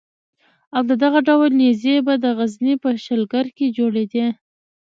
او دغه ډول نېزې به د غزني په شلګر کې جوړېدې.